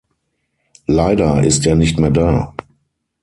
Leider ist er nicht mehr da.